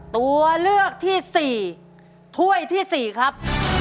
ตัวเลือกที่๔ถ้วยที่๔ครับ